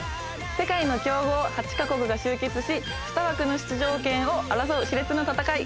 世界の強豪８カ国が集結し２枠の出場権を争う熾烈な戦い。